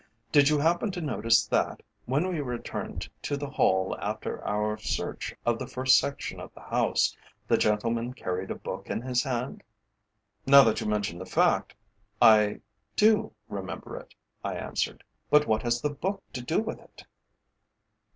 Did you happen to notice that, when we returned to the hall after our search of the first section of the house, the gentleman carried a book in his hand?" "Now that you mention the fact I do remember it," I answered. "But what has the book to do with it?"